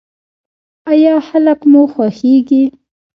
ایا خلک مو خوښیږي؟